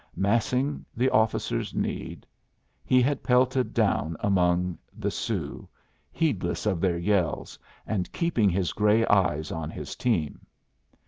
Massing the officers' need, he had pelted down among the Sioux, heedless of their yells, and keeping his gray eyes on his team.